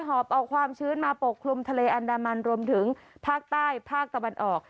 อบเอาความชื้นมาปกคลุมทะเลอันดามันรวมถึงภาคใต้ภาคตะวันออก